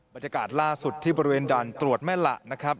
บรรยากาศล่าสุดที่บริเวณด่านตรวจแม่หละนะครับ